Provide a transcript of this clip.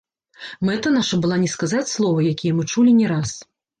Мэта наша была не сказаць словы, якія мы чулі не раз.